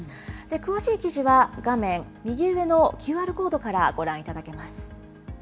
詳しい記事は、画面右上のＱＲコードからご覧いただけます。